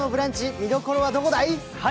見どころはどこだい？